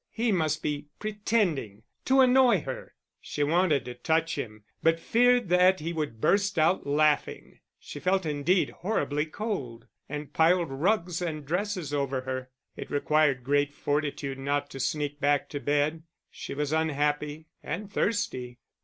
He must be pretending to annoy her. She wanted to touch him, but feared that he would burst out laughing. She felt indeed horribly cold, and piled rugs and dresses over her. It required great fortitude not to sneak back to bed. She was unhappy and thirsty.